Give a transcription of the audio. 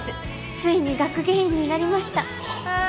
ついに学芸員になりましたあっ